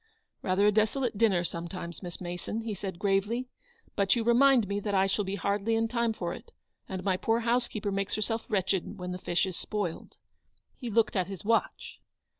"Rather a desolate dinner, sometimes, Miss Mason," he said, gravely ;" but you remind me that I shall be hardly in time for it, and my poor housekeeper makes herself wretched when the fish is spoiled." He looked at his watch.